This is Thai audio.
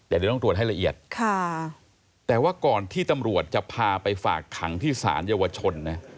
แต่เดี๋ยวต้องตรวจให้ละเอียดแต่ว่าก่อนที่ตำรวจจะพาไปฝากขังที่ศาลเยาวชนนะ